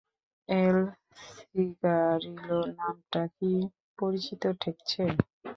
এল Cigarillo নামটা কি পরিচিত ঠেকছে?